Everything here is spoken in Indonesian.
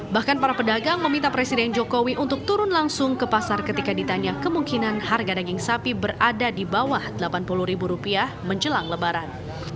bahkan para pedagang meminta presiden jokowi untuk turun langsung ke pasar ketika ditanya kemungkinan harga daging sapi berada di bawah rp delapan puluh menjelang lebaran